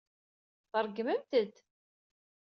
Tṛeggmemt-d!